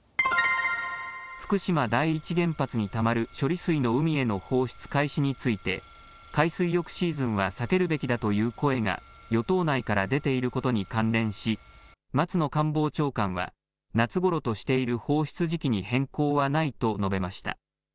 福島第一原発にたまる処理水の海への放出開始について海水浴シーズンは避けるべきだという声が与党内から出ていることに関連し松野官房長官は夏ごろとしている放出時期に変更はないと述べました。